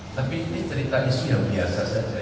tapi ini cerita isu yang biasa saja